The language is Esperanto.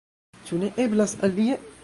Ĉu ne eblas alie?